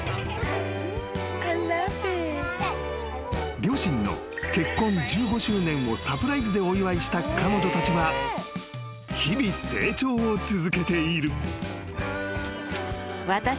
［両親の結婚１５周年をサプライズでお祝いした彼女たちは日々成長を続けている］